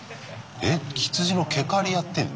えっひつじの毛刈りやってんの？